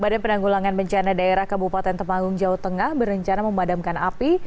badan penanggulangan bencana daerah kabupaten temanggung jawa tengah berencana memadamkan api